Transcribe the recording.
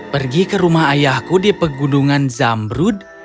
pergi ke rumah ayahku di pegunungan zambrud